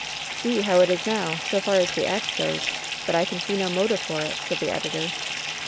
"See how it is now, so far as the act goes ; but I can see no motive for it," said the editor.